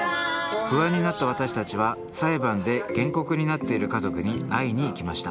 不安になった私たちは裁判で原告になっている家族に会いに行きました。